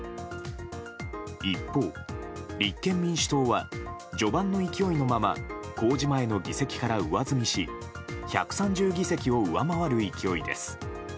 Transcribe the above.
一方、立憲民主党は序盤の勢いのまま公示前の議席から上積みし１３０議席を上回る勢いです。